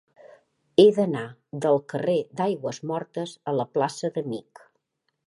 He d'anar del carrer d'Aigüesmortes a la plaça d'Amich.